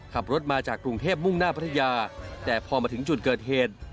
ขับรถมาจากกรุงเทพมุ่งหน้าพัทยาแต่พอมาถึงจุดเกิดเหตุ